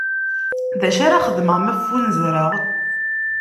D acu ara xedmeɣ ma ffunezreɣ?